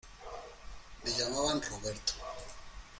me llamaban Roberto.